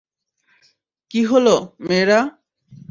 কী হলো, মেয়েরা।